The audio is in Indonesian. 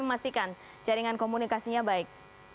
memastikan jaringan komunikasinya baik